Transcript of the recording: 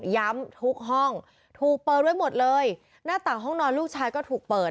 ทุกห้องถูกเปิดไว้หมดเลยหน้าต่างห้องนอนลูกชายก็ถูกเปิด